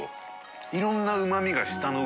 いろんなうま味が紊両紊